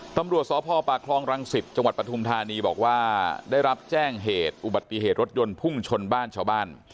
ตำรวจสพปากคลองรังสิตจังหวัดปฐุมธานีบอกว่าได้รับแจ้งเหตุอุบัติเหตุรถยนต์พุ่งชนบ้านชาวบ้าน